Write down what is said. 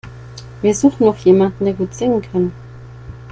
Wir suchen noch jemanden, der gut singen kann.